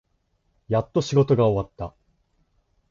やっと仕事が終わった。